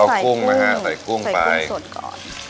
ก็ใส่กุ้งให้ใส่กุ้งสดก่อน